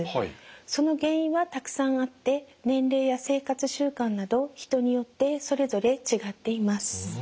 その原因はたくさんあって年齢や生活習慣など人によってそれぞれ違っています。